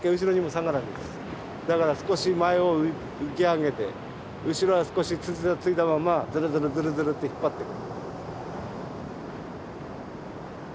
だから少し前を浮き上げて後ろは少し土さついたままずるずるずるずるって引っ張ってく。